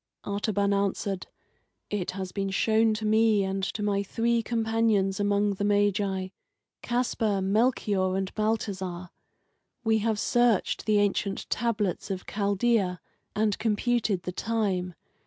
Artaban answered: "It has been shown to me and to my three companions among the Magi Caspar, Melchior, and Balthazar. We have searched the ancient tablets of Chaldea and computed the time.